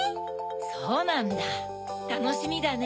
そうなんだたのしみだね。